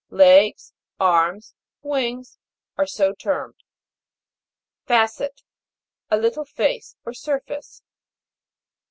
Legs, arms, wings, are so termed. FA'CE 1 . A little face, or surface.